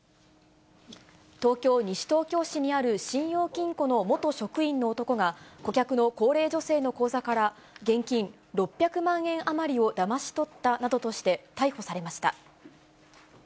東京・西東京市にある信用金庫の元職員の男が、顧客の高齢女性の口座から、現金６００万円余りをだまし取ったなどとして、逮捕されました。